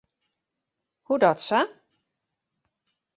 Hoedatsa?